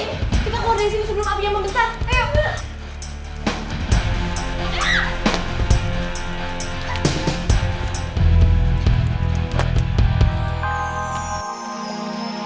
ayo kita koreksi sebelum api yang membesar